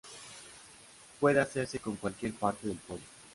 Puede hacerse con cualquier parte del pollo.